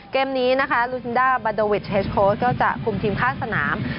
เกมนี้ลูซินด้าบัดโดวิชเฮจโค้ชก็จะคุมทีมฆ่าสนาม